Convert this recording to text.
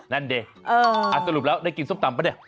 นั่นดิสรุปแล้วได้กินส้มตำปะเนี่ย